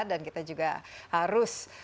dan kita juga harus